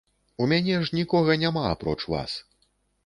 У мяне ж нікога няма, апроч вас.